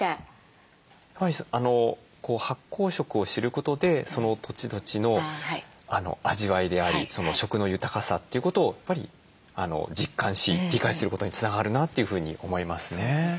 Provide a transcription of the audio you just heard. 発酵食を知ることでその土地土地の味わいであり食の豊かさということをやっぱり実感し理解することにつながるなというふうに思いますね。